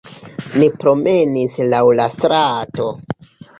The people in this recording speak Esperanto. Ni promenis laŭ la strato